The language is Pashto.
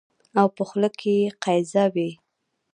او په خوله کې يې قیضه وي